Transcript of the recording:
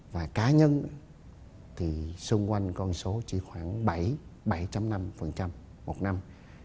và cá nhân thì xung quanh con số chỉ khoảng bảy bảy năm một năm